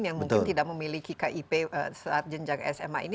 yang mungkin tidak memiliki kip saat jenjang sma ini